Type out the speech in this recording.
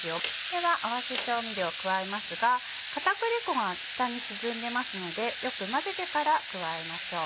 では合わせ調味料を加えますが片栗粉が下に沈んでますのでよく混ぜてから加えましょう。